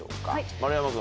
丸山君。